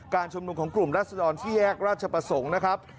ชุมนุมของกลุ่มรัศดรที่แยกราชประสงค์นะครับ